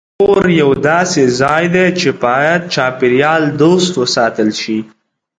کور یو داسې ځای دی چې باید چاپېریال دوست وساتل شي.